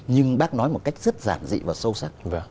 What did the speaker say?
nhưng bác nói một cách rất giản dị và sâu sắc